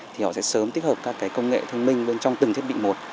thì họ sẽ sớm tích hợp các cái công nghệ thông minh bên trong từng thiết bị một